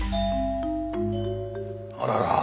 あらら。